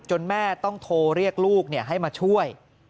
แม่ต้องโทรเรียกลูกให้มาช่วย